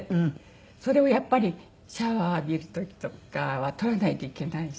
それをやっぱりシャワーを浴びる時とかは取らないといけないし。